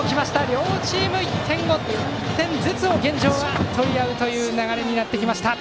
両チーム、１点ずつを現状は取り合うという流れになってきました。